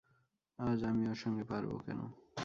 আজ আমি ওর সঙ্গে পারব কেন।